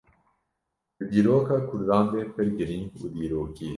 di dîroka Kurdan de pir girîng û dîrokî ye